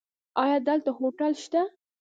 ایا دلته هوټل شته؟